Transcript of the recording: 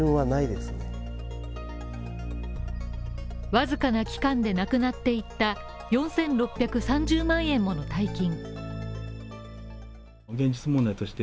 僅かな期間でなくなっていった４６３０万円もの大金。